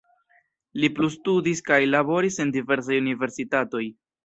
Li plustudis kaj laboris en diversaj universitatoj.